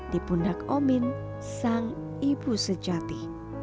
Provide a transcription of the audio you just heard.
di pundak omin sang ibu sejati